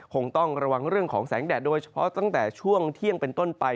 คงต้องระวังเรื่องของแสงแดดโดยเฉพาะตั้งแต่ช่วงเที่ยงเป็นต้นไป